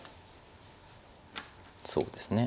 そうですね。